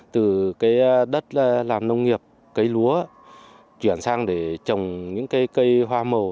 từ đất làm nông nghiệp cây lúa chuyển sang để trồng những cây hoa